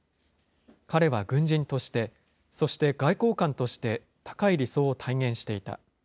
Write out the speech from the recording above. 彼は軍人として、そして外交官として高い理想を体現していた。